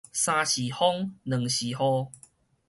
三時風兩時雨